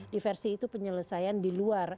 diversi itu penyelesaian di luar